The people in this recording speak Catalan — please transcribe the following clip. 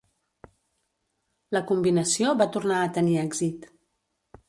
La combinació va tornar a tenir èxit.